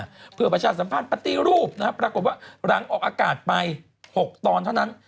อเจมส์โปรสชาติสัมมาท์ประติรูปปรากฏว่าหลังออกอากาศไป๖ตอนเท่านั้น